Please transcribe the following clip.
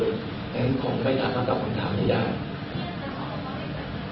อย่างนี้คงไม่ถามต่อกับปัญหามาได้